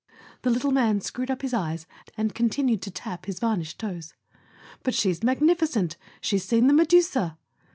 The little man screwed up his eyes and continued to tap his varnished toes. "But she's magnificent. She's seen the Medusa!"